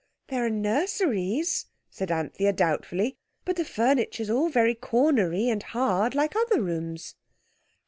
"There are nurseries," said Anthea doubtfully, "but the furniture's all cornery and hard, like other rooms."